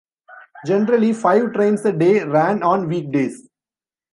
Generally five trains a day ran on weekdays.